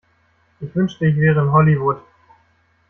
Ich wünschte ich wäre in Hollywood.